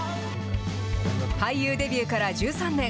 俳優デビューから１３年。